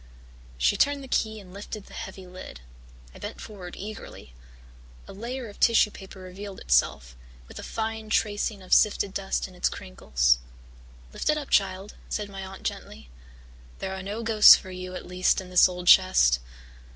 She turned the key and lifted the heavy lid. I bent forward eagerly. A layer of tissue paper revealed itself, with a fine tracing of sifted dust in its crinkles. "Lift it up, child," said my aunt gently. "There are no ghosts for you, at least, in this old chest."